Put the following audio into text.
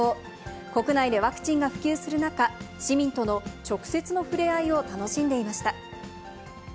国内でワクチンが普及する中、市民との直接の触れ合いを楽しんでいました。